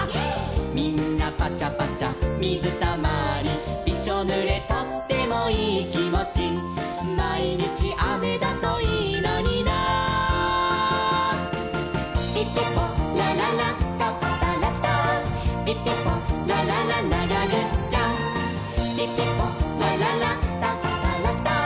「みんなぱちゃぱちゃみずたまり」「びしょぬれとってもいいきもち」「まいにちあめだといいのにな」「ピピポラララタプタラタン」「ピピポラララながぐっちゃん！！」「ピピポラララタプタラタン」